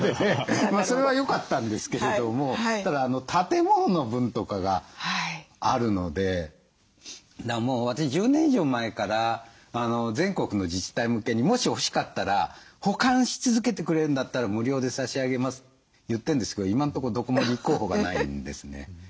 まあそれはよかったんですけれどもただ建物の分とかがあるのでもう私１０年以上前から全国の自治体向けに「もし欲しかったら保管し続けてくれるんだったら無料で差し上げます」って言ってんですけど今んとこどこも立候補がないんですね。